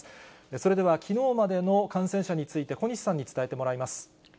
それではきのうまでの感染者について、小西さんに伝えてもらいます。